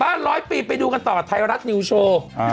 ร้อยปีไปดูกันต่อไทยรัฐนิวโชว์